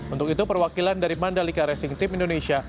untuk itu perwakilan dari mandalika racing team indonesia